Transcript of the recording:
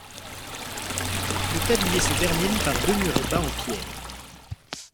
Le tablier se termine par deux murets bas en pierre.